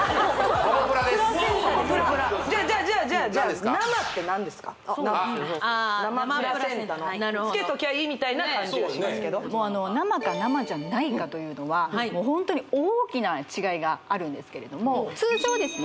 生生プラセンタのああ生プラセンタつけときゃいいみたいな感じがしますけどもう生か生じゃないかというのはもうホントに大きな違いがあるんですけれども通常ですね